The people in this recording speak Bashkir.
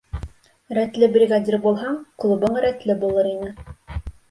Рәтле бригадир булһаң, клубың рәтле булыр ине.